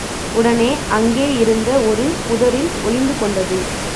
உடனே அங்கே இருந்த ஒரு புதரில் ஒளிந்து கொண்டது.